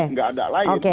nggak ada lain